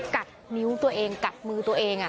กัดนิ้วตัวเองกัดมือตัวเอง